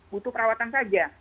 butuh perawatan saja